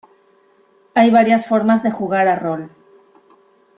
Hay varias formas de jugar a rol.